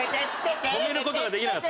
止める事ができなかった。